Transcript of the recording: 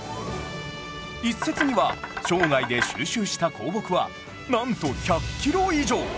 一説には生涯で収集した香木はなんと１００キロ以上！